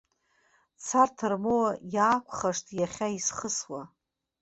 Царҭа рмоуа иаақәхашт иахьа исхысуа.